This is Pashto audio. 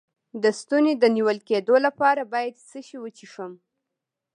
د ستوني د نیول کیدو لپاره باید څه شی وڅښم؟